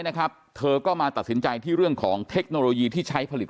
นะครับเธอก็มาตัดสินใจที่เรื่องของเทคโนโลยีที่ใช้ผลิต